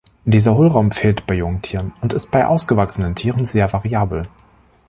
Dieser Hohlraum fehlt bei Jungtieren und ist bei ausgewachsenen Tieren sehr variabel.